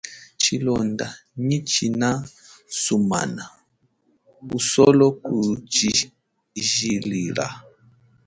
Tshilonda nyi tshina sumana usolo kutshijilila.